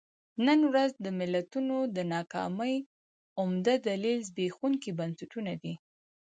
نن ورځ د ملتونو د ناکامۍ عمده دلیل زبېښونکي بنسټونه دي.